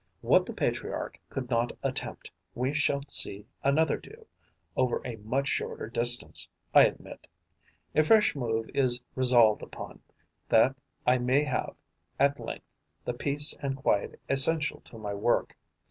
What the patriarch could not attempt, we shall see another do, over a much shorter distance, I admit. A fresh move is resolved upon, that I may have, at length, the peace and quiet essential to my work.